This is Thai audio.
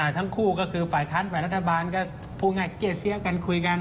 ทั้งคู่ก็คือฝ่ายค้านฝ่ายรัฐบาลก็พูดง่ายเกลี้เสียกันคุยกัน